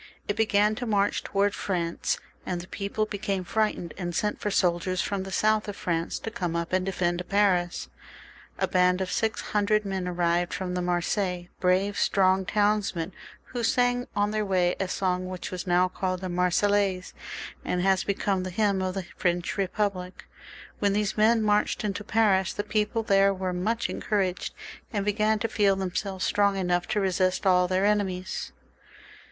It began to march towards France, and the people became frightened and sent for soldiers from the south of France to come up and defend Paris. A band of six hundred men arrived from Marseilles, brave, strong townsmen, who sang on their way a song which is now called the Marseillaise, and has be come to the French Republic much what " God save the Queen" is to Englishmen. When these men marched into Paris, the people there were much encouraged, and began to feel themselves strong enough to resist aU. their enemies.